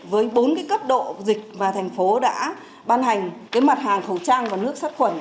với bốn cấp độ dịch mà thành phố đã ban hành mặt hàng khẩu trang và nước sát khuẩn